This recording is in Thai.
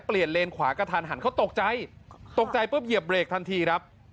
เลนขวากระทันหันเขาตกใจตกใจปุ๊บเหยียบเบรกทันทีครับ